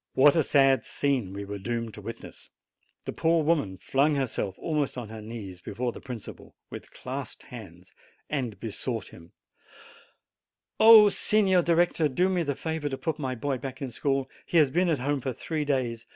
What a sad scene we were doomed to witness ! The poor woman flung her self almost on her knees before the principal, with clasped hands, and besought him: "Oh, Signor Director, do me the favor to put my boy back in school! He has been at home for three days.